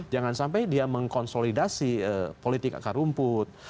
jangan sampai dia mengkonsolidasi politik akar rumput